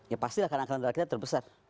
ya pasti lah karena angkatan darat kita terbesar